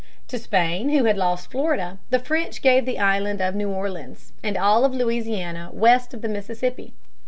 To Spain, who had lost Florida, the French gave the island of New Orleans and all of Louisiana west of the Mississippi.